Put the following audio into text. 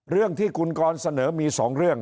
เรื่องที่คุณกรเสนอมี๒เรื่อง